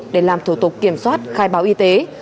để làm thủ tục kiểm soát khai báo y tế